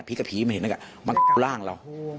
ผีกับผีมันเห็นกันมันร่างเรา